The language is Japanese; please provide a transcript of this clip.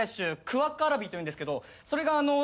クアッカワラビーというんですけどそれがあのう。